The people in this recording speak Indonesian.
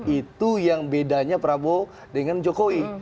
itu yang bedanya prabowo dengan jokowi